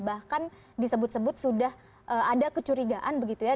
bahkan disebut sebut sudah ada kecurigaan begitu ya